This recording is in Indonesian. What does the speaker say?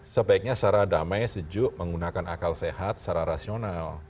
sebaiknya secara damai sejuk menggunakan akal sehat secara rasional